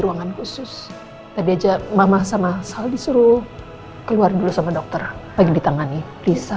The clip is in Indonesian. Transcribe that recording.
ruangan khusus tadi aja mama sama sal disuruh keluar dulu sama dokter pengen ditangani bisa